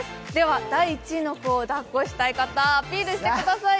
第１位の子をだっこしたい方アピールしてください。